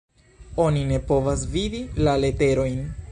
Oni ne povas vidi la leterojn.